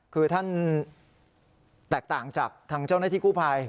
คือท่านแตกต่างจากทางเจ้าหน้าที่กู้ภัย